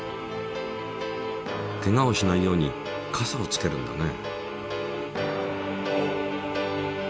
ケガをしないようにカサをつけるんだね。